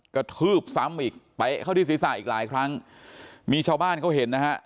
กระทืบซ้ำอีกเตะเข้าที่ศีรษะอีกหลายครั้งมีชาวบ้านเขาเห็นนะฮะ